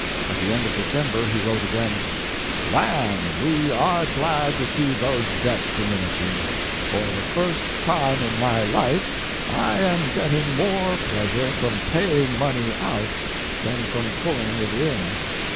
At the end of December he wrote again: "Land, we are glad to see those debts diminishing. For the first time in my life I am getting more pleasure from paying money out than from pulling it in."